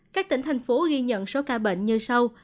các tỉnh thành phố ghi nhận số ca bệnh như sau